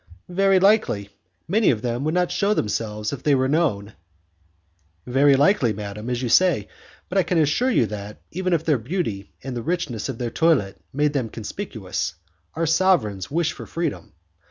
"Very likely, many of them would not shew themselves if they were known." "Very likely, madam, as you say, but I can assure you that, even if their beauty and the richness of their toilet made them conspicuous, our sovereigns wish for freedom.